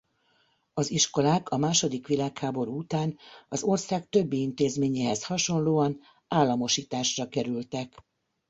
Az iskolák a második világháború után az ország többi intézményéhez hasonlóan államosításra kerültek.